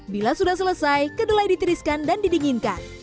bila sudah selesai kedelai ditiriskan dan didinginkan